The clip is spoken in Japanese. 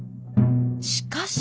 しかし。